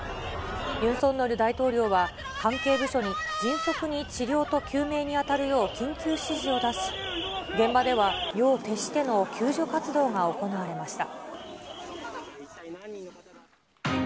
ユン・ソンニョル大統領は、関係部署に迅速に治療と救命に当たるよう緊急指示を出し、現場では夜を徹しての救助活動が行われました。